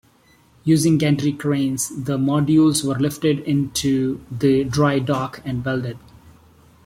Using gantry cranes, the modules were lifted into the dry dock and welded.